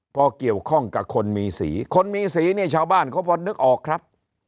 พอเกี่ยวข้องกับคนมีสีคนมีสีเนี่ยชาวบ้านเขาพอนึกออกครับ